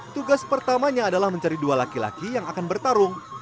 tugas pertamanya adalah mencari dua laki laki yang akan bertarung